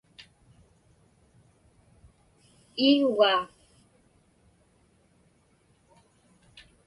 Iguugaa.